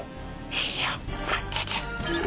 いいよ待ってて。